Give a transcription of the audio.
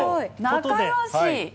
仲よし！